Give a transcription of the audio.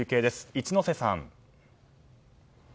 一之瀬さん。